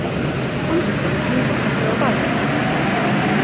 კუნძულზე მუდმივი მოსახლეობა არ არსებობს.